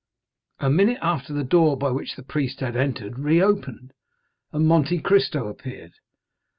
A minute after the door by which the priest had entered reopened, and Monte Cristo appeared.